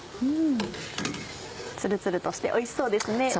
うんツルツルとしておいしそうですね。